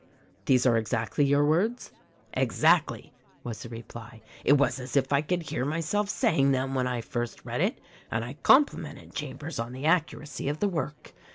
"These are exactly your words?" "Exactly !" was the reply. "It was as if I could hear myself saying them, when I first read it ; and I complimented Chambers on the accuracy of the work.